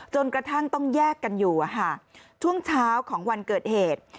จนกระทั่งต้องแยกกันอยู่ช่วงเช้าของวันเกิดเหตุ